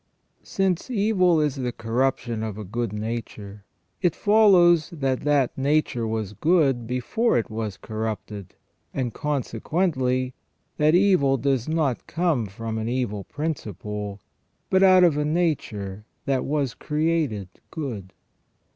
* Since evil is the corruption of a good nature, it follows that that nature was good before it was corrupted, and consequently that evil does not come from an evil principle, but out of a nature that was created good.